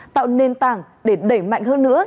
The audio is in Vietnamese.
tạo nền tảng để đẩy mạnh hơn nữa